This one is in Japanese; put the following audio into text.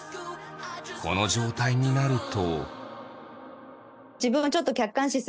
この状態になると。